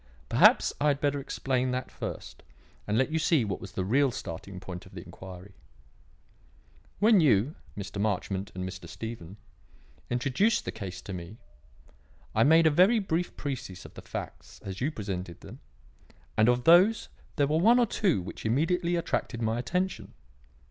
Perhaps I had better explain that first and let you see what was the real starting point of the inquiry. "When you, Mr. Marchmont and Mr. Stephen, introduced the case to me, I made a very brief précis of the facts as you presented them, and of these there were one or two which immediately attracted my attention.